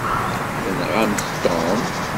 Tenɣamt Tom?